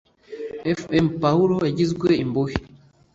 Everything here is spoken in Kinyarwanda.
fm pawulo wagizwe imbohe